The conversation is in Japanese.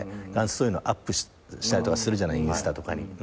そういうのアップしたりとかするじゃないインスタとかに。